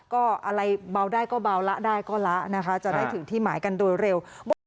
ก็อะไรเบาได้ก็เบาละได้ก็ละนะคะจะได้ถึงที่หมายกันโดยเร็ว